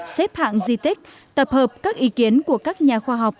xếp hạng di tích tập hợp các ý kiến của các nhà khoa học